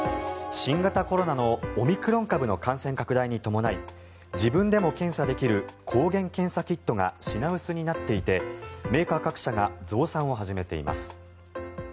新型コロナのオミクロン株の感染拡大に伴い自分でも検査できる抗原検査キットが品薄になっていてメーカー各社が増産を始めています。